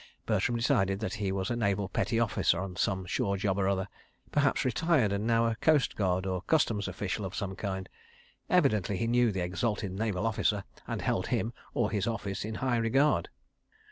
Bertram decided that he was a naval petty officer on some shore job or other, perhaps retired and now a coast guard or Customs official of some kind. Evidently he knew the exalted naval officer and held him, or his Office, in high regard.